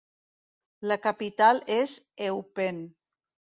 La capital és Eupen.